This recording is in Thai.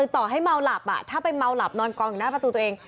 ต่อให้เมาหลับถ้าไปเมาหลับนอนกองอยู่หน้าประตูตัวเอง